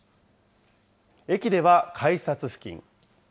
駅では改札付近。